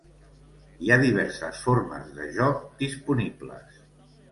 Hi ha diverses formes de joc disponibles.